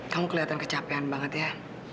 kamu kelihatan kecapean banget ya